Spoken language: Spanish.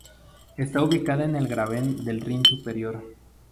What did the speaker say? Está ubicada en el graben del Rin Superior.